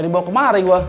bawa kemari gue